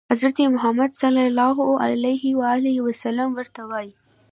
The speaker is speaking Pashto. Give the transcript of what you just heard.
حضرت محمد ورته وايي.